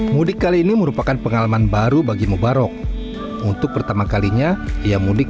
mudik kali ini merupakan pengalaman baru bagi mubarok untuk pertama kalinya ia mudik